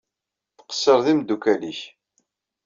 Ttqeṣṣir ed yimeddukal-nnek.